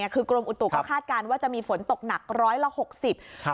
คือกรมอุตุก็คาดการณ์ว่าจะมีฝนตกหนักร้อยละหกสิบ